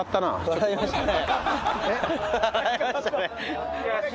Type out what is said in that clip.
笑いましたね。